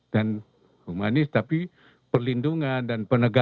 dan humanis tapi perlindungan dan penegakan